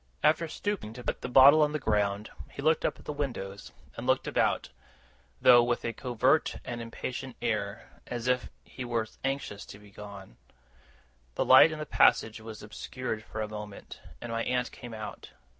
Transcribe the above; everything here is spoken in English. After stooping to put the bottle on the ground, he looked up at the windows, and looked about; though with a covert and impatient air, as if he was anxious to be gone. The light in the passage was obscured for a moment, and my aunt came out.